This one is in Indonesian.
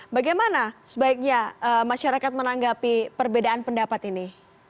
bagaimana sebaiknya masyarakat menanggapi perbedaan pendapat ini